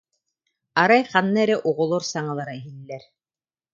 Арай ханна эрэ оҕолор саҥалара иһиллэр: